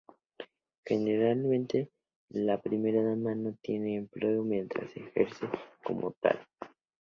Generalmente, la Primera Dama no tiene empleo mientras ejerce como tal.